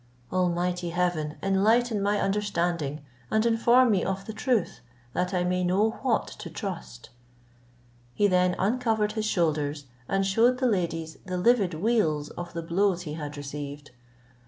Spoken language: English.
Almighty God, enlighten my understanding, and inform me of the truth, that I may know what to trust." He then uncovered his shoulders, and shewed the ladies the livid weals of the blows he had received.